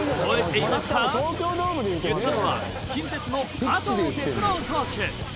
言ったのは近鉄の加藤哲郎投手。